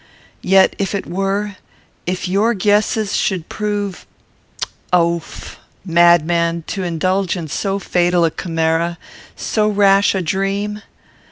Yet, if it were; if your guesses should prove Oaf! madman! To indulge so fatal a chimera! So rash a dream!